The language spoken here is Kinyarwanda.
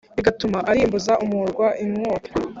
bigatuma arimbuza umurwa inkota.